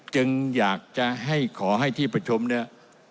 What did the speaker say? จึงอยากจะให้ขอให้ที่ประชุมเนี่ย